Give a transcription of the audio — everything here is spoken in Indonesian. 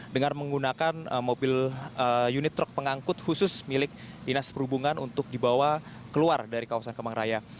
dengan menggunakan mobil unit truk pengangkut khusus milik dinas perhubungan untuk dibawa keluar dari kawasan kemang raya